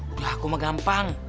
udah aku mah gampang